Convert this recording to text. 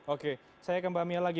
oke saya ke mbak mia lagi